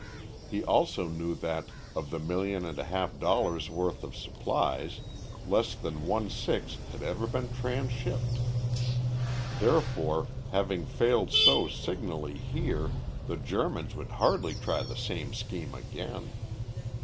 He also knew that, of the million and a half dollars' worth of supplies, less than one sixth had ever been transshipped. Therefore, having failed so signally here, the Germans would hardly try the same scheme again.